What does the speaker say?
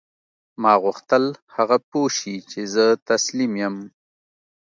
ما غوښتل هغه پوه شي چې زه تسلیم یم